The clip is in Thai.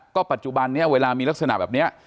ก็ปัจจุบันนี้เวลามีลักษณะแบบนี้